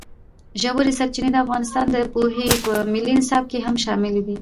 ژورې سرچینې د افغانستان د پوهنې په ملي نصاب کې هم شامل دي.